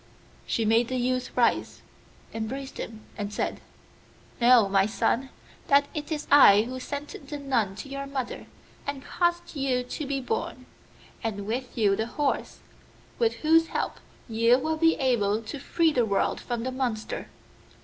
She made the youth rise, embraced him, and said, 'Know, my son, that it is I who sent the nun to your mother and caused you to be born, and with you the horse, with whose help you will be able to free the world from the monster.